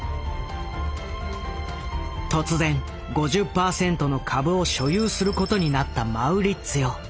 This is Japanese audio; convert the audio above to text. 突然５０％の株を所有することになったマウリッツィオ。